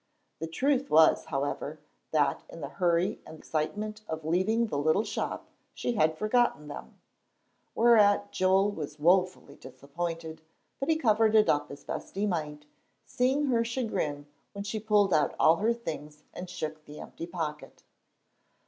The truth was, however, that in the hurry and excitement of leaving the little shop, she had forgotten them. Whereat Joel was wofully disappointed, but he covered it up as best he might, seeing her chagrin when she pulled out all her things and shook the empty pocket.